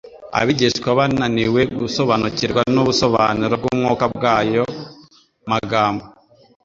Abigishwa bananiwe gusobanukirwa n'ubusobanuro bw'umwuka bw'ayo magambo,